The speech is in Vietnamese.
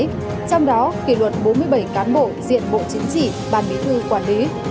trong đó kỷ luật bốn mươi bảy cán bộ diện bộ chính trị ban bí thư quản lý